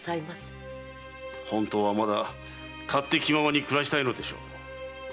本当はまだ勝手気ままに暮らしたいのでしょう。